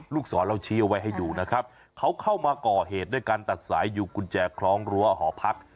ลูกศรเราชี้เอาไว้ให้ดูนะครับเขาเข้ามาก่อเหตุด้วยการตัดสายอยู่กุญแจคล้องรั้วหอพัก